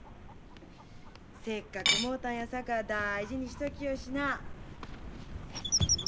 せっかくもろたんやさか大事にしときよしな。